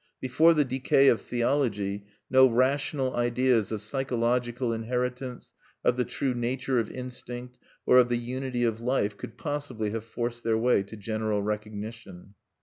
Before the decay of theology, no rational ideas of psychological inheritance, of the true nature of instinct, or of the unity of life, could possibly have forced their way to general recognition.